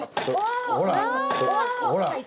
ほら。